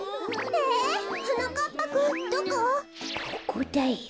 ここだよ！